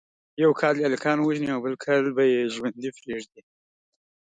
یو کال دې هلکان ووژني او بل کال به یې ژوندي پریږدي.